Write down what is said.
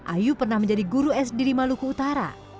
ayu pernah menjadi guru sd di maluku utara